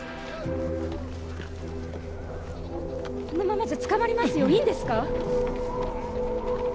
このままじゃ捕まりますよいいんですか？